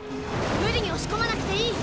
無理に押しこまなくていい！